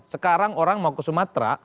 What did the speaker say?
sekarang orang mau ke sumatera